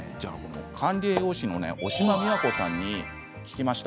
管理栄養士の小島美和子さんに聞きました。